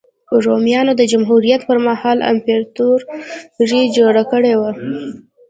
رومیانو د جمهوریت پرمهال امپراتوري جوړه کړې وه.